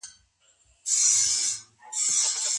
خلګ وایې شعر دی زه وام نه د زړو خبري دي